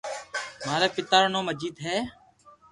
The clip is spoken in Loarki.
ماري پيتا رو نوم اجيت ھي